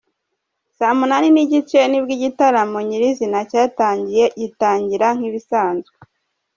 saa munani nigice nibwo igitaramo nyirizina cyatangiye, gitangira nkibisanzwe.